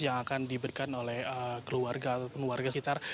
yang akan diberikan oleh keluarga atau keluarga sekitar